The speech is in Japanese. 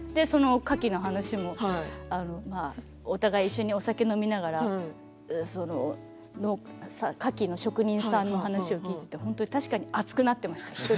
カキの話も、お互い一緒にお酒を飲みながらカキの職人さんの話を聞いていて本当に確かに熱くなっていました。